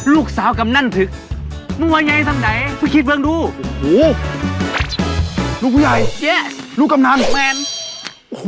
ลูกพี่ต้องดูโอ้โฮลูกผู้ใหญ่ลูกกำนันโอ้โฮ